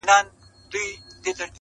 او د هر پیغام د افاده کولو لپاره